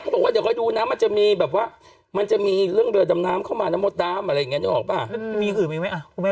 บอกว่าเดี๋ยวก็ดูนะมันจะมีเรื่องเรือดำน้ำเข้ามาน้ำมดดำอะไรอย่างนี้มีอีกอื่นมั้ย